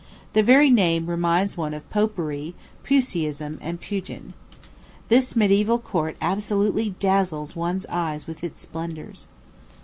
The very name reminds one of Popery, Puseyism, and Pugin. This mediæval court absolutely dazzles one's eyes with its splendors.